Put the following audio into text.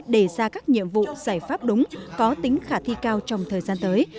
để ra các nhiệm vụ giải pháp đúng có tính khả thi cao trong thời gian tới